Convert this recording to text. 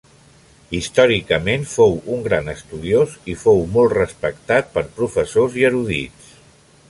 Històricament fou un gran estudiós i fou molt respectat per professors i erudits.